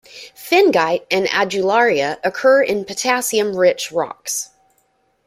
Phengite and adularia occur in potassium rich rocks.